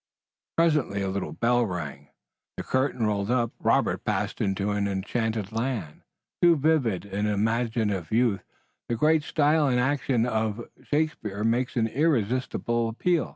Presently a little bell rang, the curtain rolled up, and Robert passed into an enchanted land. To vivid and imaginative youth the great style and action of Shakespeare make an irresistible appeal.